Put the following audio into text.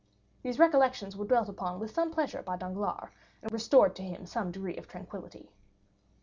These recollections were dwelt upon with some pleasure by Danglars, and restored him to some degree of tranquillity.